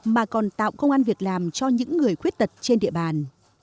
mà còn tạo công an việc làm cho những người khuyết tật trên địa bàn